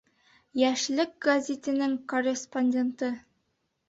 «Йәшлек» гәзитенең корреспонденты.